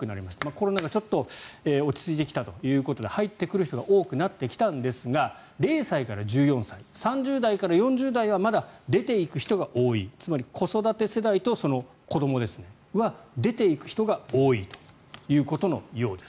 コロナがちょっと落ち着いたということで入ってくる人が多くなってきたんですが０歳から１４歳３０代から４０代はまだ出ていく人が多いつまり子育て世代とその子どもは出ていく人が多いということのようです。